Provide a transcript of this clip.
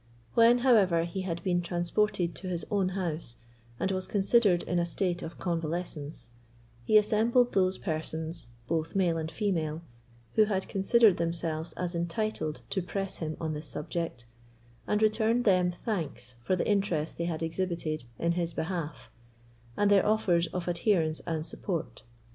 When, however, he had been transported to his own house, and was considered in a state of convalescence, he assembled those persons, both male and female, who had considered themselves as entitled to press him on this subject, and returned them thanks for the interest they had exhibited in his behalf, and their offers of adherence and support.